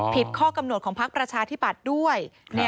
ผิดข้อกำหนดของภาคประชาธิปัตธ์ด้วย